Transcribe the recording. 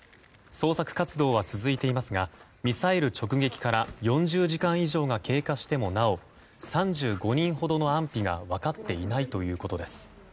捜索活動は続いていますがミサイル直撃から４０時間以上が経過してもなお３５人ほどの安否が分かっていないということです。